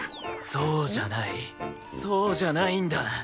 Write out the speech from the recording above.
そうじゃないそうじゃないんだ。